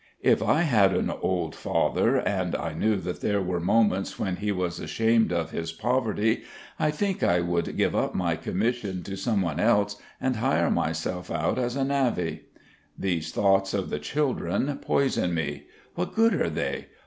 If I had an old father, and I knew that there were moments when he was ashamed of his poverty, I think I would give up my commission to someone else and hire myself out as a navvy. These thoughts of the children poison me. What good are they?